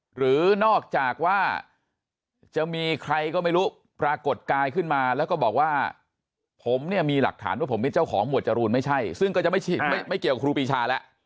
หรือนอกจากว่าจะมีใครก็ไม่รู้ปรากฏกายขึ้นมาแล้วก็บอกว่าผมเนี่ยมีหลักฐานว่าผมเป็นเจ้าของหมวดจรูนไม่ใช่ซึ่งก็จะไม่เกี่ยวกับครูปีชาแล้ว